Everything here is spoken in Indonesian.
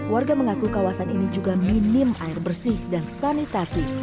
warga mengaku kawasan ini juga minim air bersih dan sanitasi